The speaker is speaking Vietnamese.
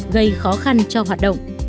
gây khó khăn cho hoạt động